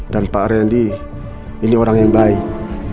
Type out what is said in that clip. dan pak rendi ini orang yang baik